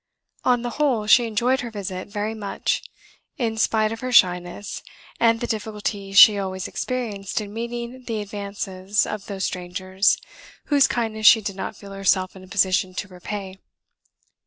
On the whole, she enjoyed her visit very much, in spite of her shyness, and the difficulty she always experienced in meeting the advances of those strangers whose kindness she did not feel herself in a position to repay.